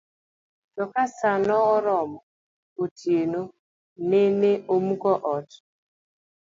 To ka saa noromo, otieno nene omuko ot